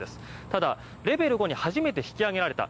ただレベル５に初めて引き上げられた。